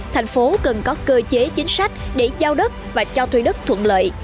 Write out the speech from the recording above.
thành phố cần có cơ chế chính sách để giao đất và cho thuê đất thuận lợi